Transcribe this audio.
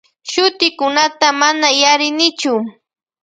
Shutikunata mana yarinichu.